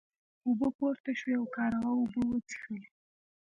اوبه پورته شوې او کارغه اوبه وڅښلې.